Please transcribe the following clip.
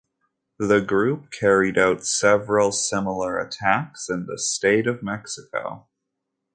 The group carried out several similar attacks in the State of Mexico.